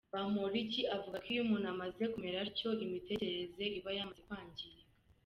Bamporiki avuga ko iyo umuntu amaze kumera atyo imitekerereze iba yamaze kwangirika.